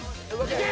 いけ！